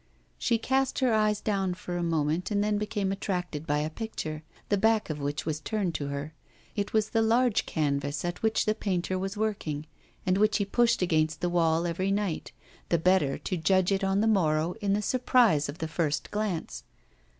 She cast her eyes down for a moment, and then became attracted by a picture, the back of which was turned to her. It was the large canvas at which the painter was working, and which he pushed against the wall every night, the better to judge it on the morrow in the surprise of the first glance.